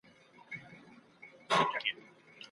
پروفیسور مایر اقتصادي پرمختیا یوه پروسه بولي.